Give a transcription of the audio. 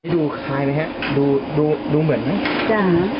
ดูคลายมั้ยฮะดูเหมือนมั้ย